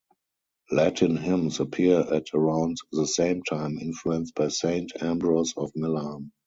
Latin hymns appear at around the same time, influenced by Saint Ambrose of Milan.